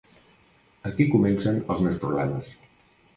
Aquí comencen els meus problemes.